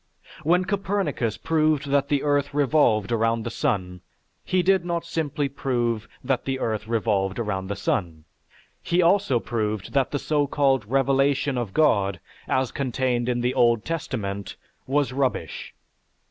When Copernicus proved that the earth revolved around the sun, he did not simply prove that the earth revolved around the sun, he also proved that the so called revelation of God, as contained in the Old Testament, was rubbish.